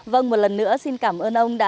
vâng một lần nữa xin cảm ơn ông đã